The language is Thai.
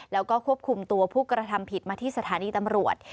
แล้วก็ควบคุมตัวผู้กระทำผิดมาที่สถานีตำรวจ